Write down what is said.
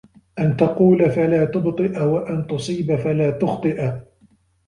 أَنْ تَقُولَ فَلَا تُبْطِئَ وَأَن تُصِيبَ فَلَا تُخْطِئَ